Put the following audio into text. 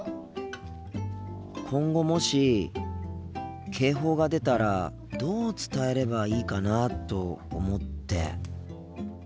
今後もし警報が出たらどう伝えればいいかなと思って。